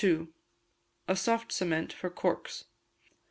A Soft Cement for Corks.